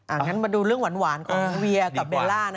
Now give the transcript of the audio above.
งั้นมาดูเรื่องหวานของเวียกับเบลล่า